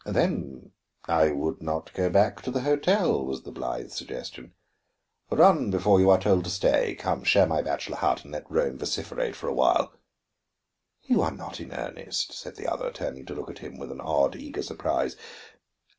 "Then I would not go back to the hotel," was the blithe suggestion. "Run before you are told to stay. Come share my bachelor hut and let Rome vociferate for a while." "You are not in earnest," said the other, turning to look at him with an odd, eager surprise.